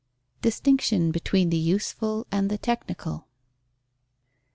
_Distinction between the useful and the technical.